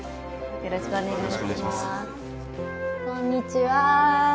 よろしくお願いします。